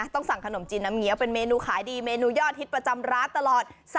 ต้องสั่งขนมจีนน้ำเงี้ยวเป็นเมนูขายดีเมนูยอดฮิตประจำร้านตลอด